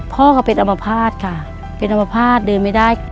พ่อก็เป็นอมภาษณ์ฯค่ะเป็นอมภาษณ์ฯเดินไม่ได้